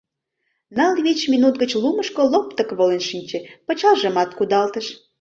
Ныл-вич минут гыч лумышко лоптык волен шинче, пычалжымат кудалтыш.